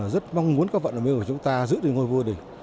rất mong muốn các vận động viên của chúng ta giữ được ngôi vô địch